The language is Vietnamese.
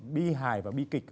bi hài và bi kịch